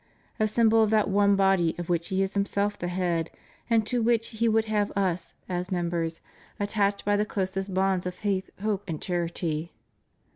a symbol of that one body of which He is Himself the head, and to which He would have us, as members, attached by the closest bonds of faith, hope, and charity."